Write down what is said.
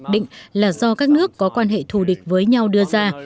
chiến tranh được hiểu một cách mặc định là do các nước có quan hệ thù địch với nhau đưa ra